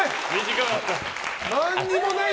何もない！